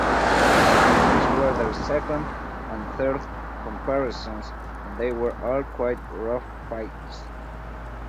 These were their second and third comparisons and they were all quite rough fights.